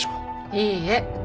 いいえ。